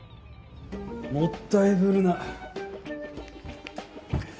もったいぶるな。